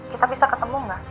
kita bisa ketemu gak